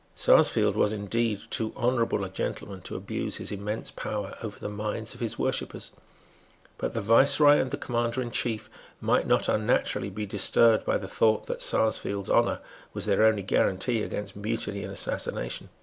Sarsfield was, indeed, too honourable a gentleman to abuse his immense power over the minds of his worshippers. But the Viceroy and the Commander in Chief might not unnaturally be disturbed by the thought that Sarsfield's honour was their only guarantee against mutiny and assassination.